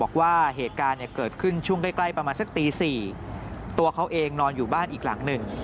บอกว่าเหตุการณ์เกิดขึ้นช่วงใกล้ประมาณสักตี๔ตัวเขาเองนอนอยู่บ้านอีกหลังหนึ่ง